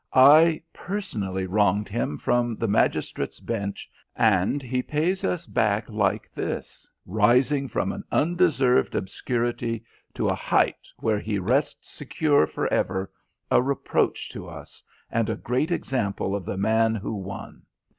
I personally wronged him from the magistrate's bench, and he pays us back like this, rising from an undeserved obscurity to a height where he rests secure for ever, a reproach to us, and a great example of the man who won.